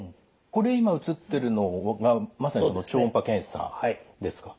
これ今映ってるのがまさに超音波検査ですか。